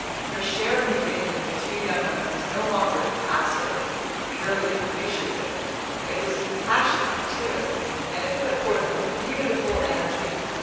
Her share in the union of the two young women was no longer passive, purely appreciative; it was passionate, too, and it put forth a beautiful energy.